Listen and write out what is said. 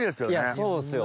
そうですよ。